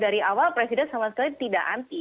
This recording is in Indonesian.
dari awal presiden sama sekali tidak anti